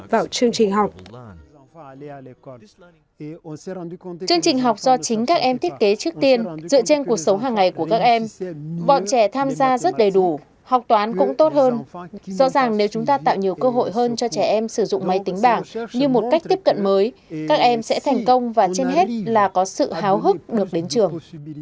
bọn trẻ tham gia rất đầy đủ học toán cũng tốt hơn do rằng nếu chúng ta tạo nhiều cơ hội hơn cho trẻ em sử dụng máy tính bảng như một cách tiếp cận mới các em sẽ thành công và trên hết là có sự háo hức được đến trường